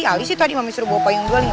ali sih tadi mami suruh bawa payung gue lih